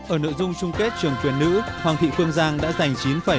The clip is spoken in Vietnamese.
ở nội dung chung kết trường tuyển nữ hoàng thị phương giang đã giành chín bảy mươi một